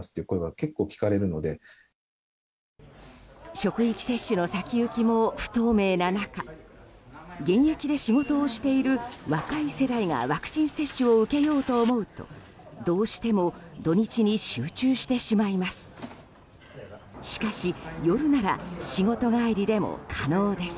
職域接種の先行きも不透明な中現役で仕事をしている若い世代がワクチン接種を受けようと思うとどうしても土日に集中してしまいます。